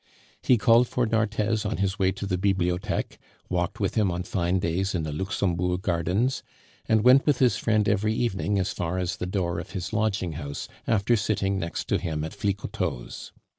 He called for D'Arthez on his way to the Bibliotheque, walked with him on fine days in the Luxembourg Gardens, and went with his friend every evening as far as the door of his lodging house after sitting next to him at Flicoteaux's.